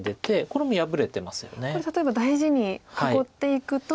これ例えば大事に囲っていくと。